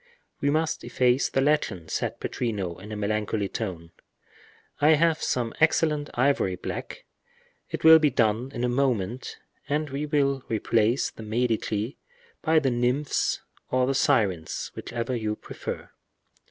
"We must efface the legend," said Pittrino, in a melancholy tone. "I have some excellent ivory black; it will be done in a moment, and we will replace the Medici by the nymphs or the sirens, whichever you prefer."